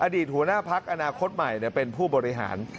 อดีตหัวหน้าพักอนาคตใหม่เป็นผู้บริหาร